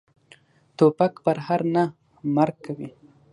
توپک پرهر نه، مرګ کوي.